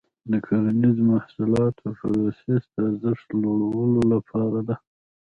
د کرنیزو محصولاتو پروسس د ارزښت لوړولو لاره ده.